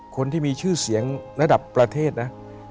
คนที่มีชื่อเสียงระดับประเทศนะ